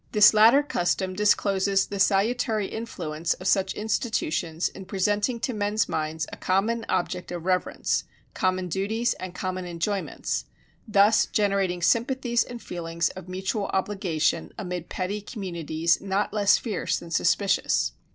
This latter custom discloses the salutary influence of such institutions in presenting to men's minds a common object of reverence, common duties, and common enjoyments; thus generating sympathies and feelings of mutual obligation amid petty communities not less fierce than suspicious.